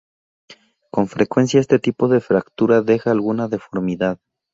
Con frecuencia este tipo de fractura deja alguna deformidad.